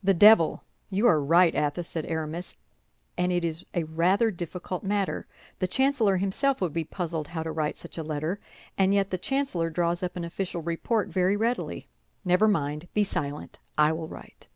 "The devil! You are right, Athos," said Aramis; "and it is a rather difficult matter. The chancellor himself would be puzzled how to write such a letter, and yet the chancellor draws up an official report very readily. Never mind! Be silent, I will write."